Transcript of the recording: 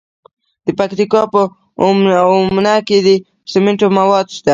د پکتیکا په اومنه کې د سمنټو مواد شته.